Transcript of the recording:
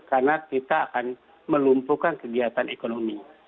karena kita akan melumpuhkan kegiatan ekonomi